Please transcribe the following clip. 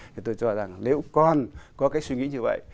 thì tôi cho rằng nếu con có cái suy nghĩ như vậy